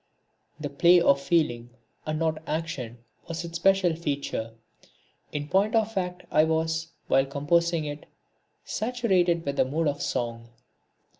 The play of feeling, and not action, was its special feature. In point of fact I was, while composing it, saturated with the mood of song.